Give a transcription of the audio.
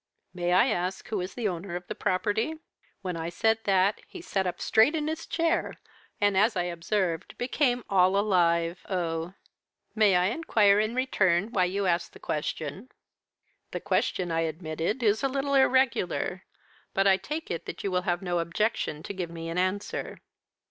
May I ask who is the owner of the property?' "When I said that, he sat up straight in his chair, and, as I observed, became all alive oh. "'May I inquire, in return, why you ask the question?' "'The question,' I admitted, 'is a little irregular; but I take it that you will have no objection to give me an answer.'